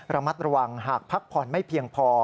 ระมัดระวังหากพักผ่อนไม่เพียงพอ